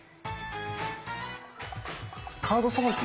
カードさばき